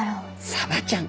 サバちゃん。